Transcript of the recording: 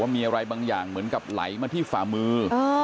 มีอะไรบางอย่างเหมือนกับไหลมาที่ฝ่ามือ